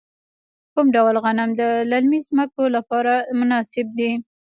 کوم ډول غنم د للمي ځمکو لپاره مناسب دي؟